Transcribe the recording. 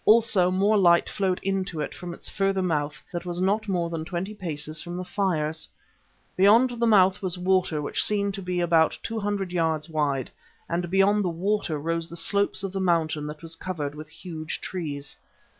Also more light flowed into it from its further mouth that was not more than twenty paces from the fires. Beyond the mouth was water which seemed to be about two hundred yards wide, and beyond the water rose the slopes of the mountain that was covered with huge trees.